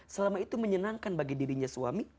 selama itu menyenangkan bagi dirinya suami